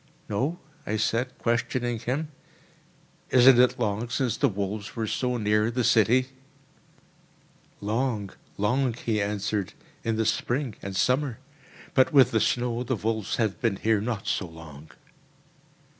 "No?" I said, questioning him; "isn't it long since the wolves were so near the city?" "Long, long," he answered, "in the spring and summer; but with the snow the wolves have been here not so long."